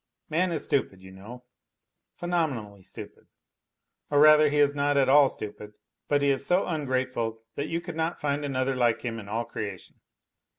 Man is stupid, you know, phenomenally stupid ; or rather he is not at all stupid, but he is so ungrateful that you could not find another like him in all creation.